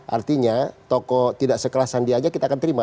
artinya toko tidak sekelas sandi aja kita akan terima